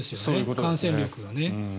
感染力がね。